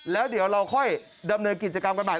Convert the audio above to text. แล้วเดี๋ยวเราค่อยดำเนินกิจกรรมกันใหม่